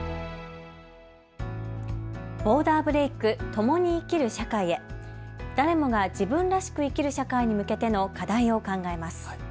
ＢｏｒｄｅｒＢｒｅａｋ共に生きる社会へ誰もが自分らしく生きる社会に向けての課題を考えます。